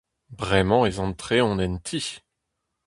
Bremañ ez antreont en ti.